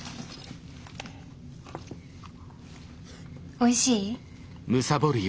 おいしい？